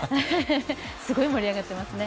すごい盛り上がってますね。